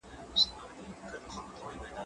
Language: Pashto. زه تکړښت کړي دي،